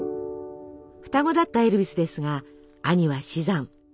双子だったエルヴィスですが兄は死産。